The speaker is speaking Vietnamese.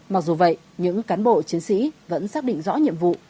mặc dù vậy những cán bộ chiến sĩ vẫn xác định rõ nhiệm vụ